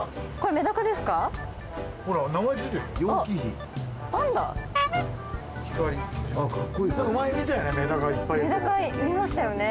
メダカ見ましたよね。